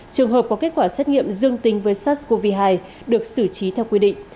trường hợp có kết quả xét nghiệm dương tính với sars cov hai được xử trí theo quy định